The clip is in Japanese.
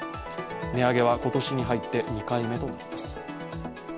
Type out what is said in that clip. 値上げは今年に入って２回目となります。